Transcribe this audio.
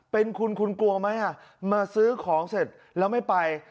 เป็นคุณคุณกลัวไหมมาซื้อของเสร็จแล้วไม่ไป